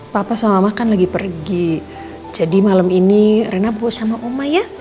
papa sama mama kan lagi pergi jadi malam ini rena bu sama uma ya